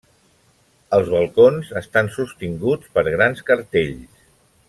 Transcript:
Els balcons estan sostinguts per grans cartells.